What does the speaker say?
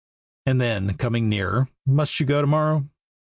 And then, coming nearer, "Must you go to morrow?"